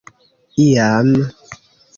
iam